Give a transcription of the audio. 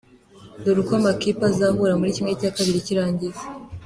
Dore uko amakipe azahura muri ½ cy’irangiza:.